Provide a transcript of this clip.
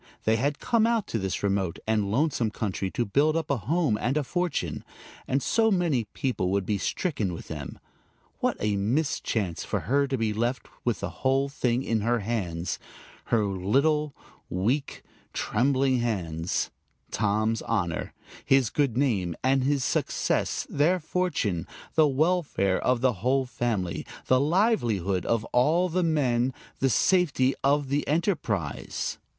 They had come out to this remote and lonesome country to build up a home and a fortune; and so many people would be stricken with them! What a mischance for her to be left with the whole thing in her hands, her little, weak, trembling hands Tom's honor, his good name and his success, their fortune, the welfare of the whole family, the livelihood of all the men, the safety of the enterprise!